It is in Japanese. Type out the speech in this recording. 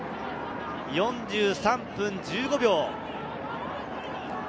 ４３分１５秒。